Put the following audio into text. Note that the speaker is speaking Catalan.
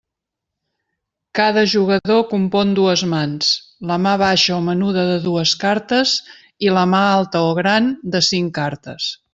Cada jugador compon dues mans: la mà baixa o menuda de dues cartes, i la «mà» alta o gran de cinc cartes.